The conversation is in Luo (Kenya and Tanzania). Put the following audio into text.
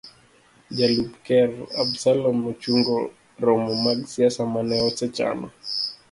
Jalup ker Absalom ochungo romo mag siasa mane osechano.